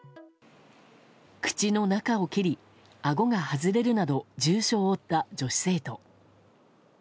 口の中を切り、あごが外れるなど重傷を負った女子生徒。